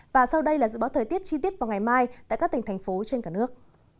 và sau đây là dự báo thời tiết chi tiết vào ngày mai tại các tỉnh thành phố trên cả nước